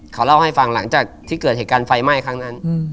เขาเล่าให้ฟังหลังจากที่เกิดเหตุการณ์ไฟไหม้ครั้งนั้น